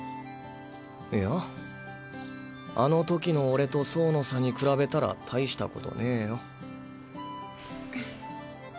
いやあの時の俺と走の差に比べたら大したことねぇよ。